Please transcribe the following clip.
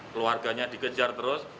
keluarganya dikejar terus